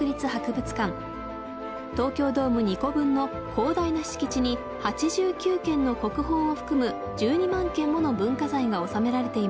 東京ドーム２個分の広大な敷地に８９件の国宝を含む１２万件もの文化財が収められています。